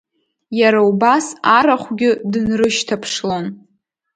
Иара убас арахәгьы дынрышьҭаԥшлон.